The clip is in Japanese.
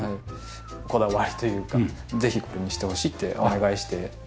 こだわりというかぜひこれにしてほしいってお願いして見つけて。